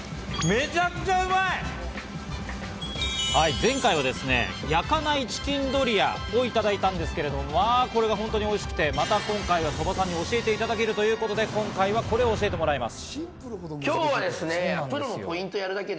前回は焼かないチキンドリアをいただいたんですけれどもこれが本当においしくて今回も鳥羽さんに教えていただけるということで今回はこれを教えてもらいます。